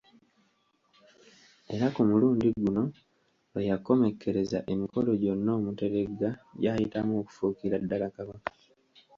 Era ku mulundi guno lwe yakomekkereza emikolo gyonna Omuteregga gy'ayitamu okufuukira ddala Kabaka.